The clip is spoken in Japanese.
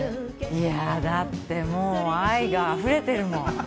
いや、だってもう愛があふれてるもん。